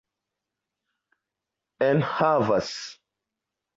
enhavas